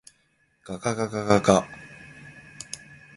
がががががが